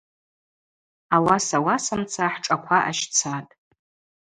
Ауаса-ауасамца хӏшӏаква ащцатӏ.